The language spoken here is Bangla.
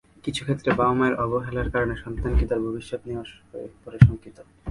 কিছু ক্ষেত্রে বাবা-মায়ের অবহেলার কারণে সন্তানটি তার ভবিষ্যৎ নিয়েও হয়ে পড়ে শঙ্কিত।